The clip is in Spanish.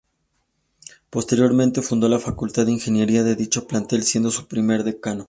Posteriormente fundó la facultad de ingeniería de dicho plantel, siendo su primer decano.